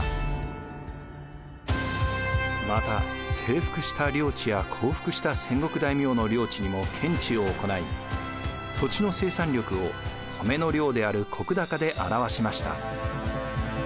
また征服した領地や降伏した戦国大名の領地にも検地を行い土地の生産力を米の量である石高で表しました。